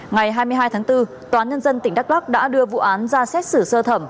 ngày hai mươi hai tháng bốn tòa nhân dân tỉnh đắk lắc đã đưa vụ án ra xét xử sơ thẩm